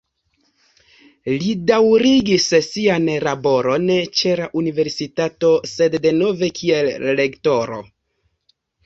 Li daŭrigis sian laboron ĉe la universitato, sed denove kiel lektoro.